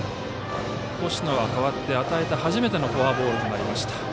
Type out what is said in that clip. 星野は代わって与えた初めてのフォアボールとなりました。